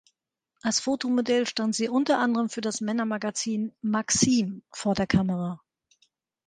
Als Fotomodell stand sie unter anderem für das Männermagazin "Maxim" vor der Kamera.